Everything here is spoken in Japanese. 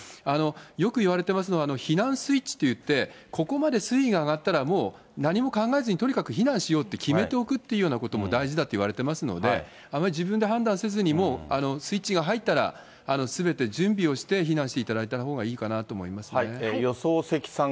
よくいわれてますのは、避難スイッチっていって、ここまで水位が上がったら、もう何も考えずにとにかく避難しようって決めておくことが大事だといわれていますので、あまり自分で判断せずにもう、スイッチが入ったらすべて準備をして避難していただいたほうがい予想積算